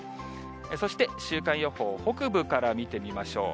そして週間予報、北部から見てみましょう。